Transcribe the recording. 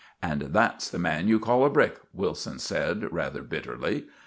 "And that's the man you call a brick!" Wilson said, rather bitterly.